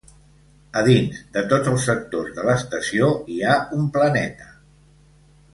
A dins de tots els sectors de l'estació hi ha un planeta.